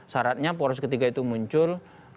syaratnya poros ketiga itu muncul